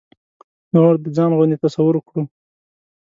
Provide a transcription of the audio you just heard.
نور د ځان غوندې تصور کړو.